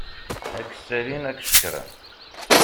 Ad k-sallin ad k-cekṛen.